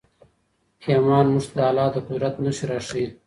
ایمان موږ ته د الله د قدرت نښې راښیي.